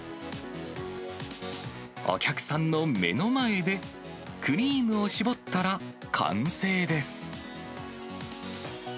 お客さんの目の前でクリームを絞ったら完成です。